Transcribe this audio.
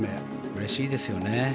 うれしいですよね。